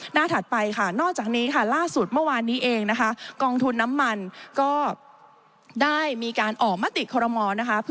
หน้าถัดไปนอกจากนี้ล่าสุดเมื่อวานนี้เองกองทุนน้ำมันก็ได้มีการออกมาติกคลมม